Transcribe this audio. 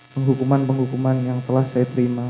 penghukuman penghukuman yang telah saya terima